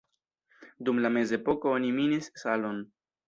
Dum la mezepoko oni minis salon.